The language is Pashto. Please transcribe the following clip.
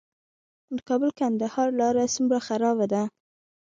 د کابل - کندهار لاره څومره خرابه ده؟